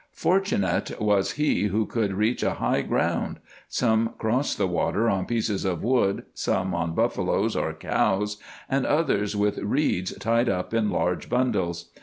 Fortunate was he who could reach a high ground. Some crossed the water on pieces of wood, some on buffaloes or cows, and others with reeds tied up in large bundles.